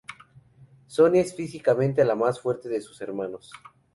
Sonia es físicamente la más fuerte de sus hermanos.